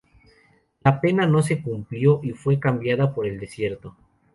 La pena no se cumplió y fue cambiada por el destierro.